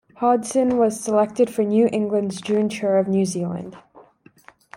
Hodgson was selected for England's June tour of New Zealand.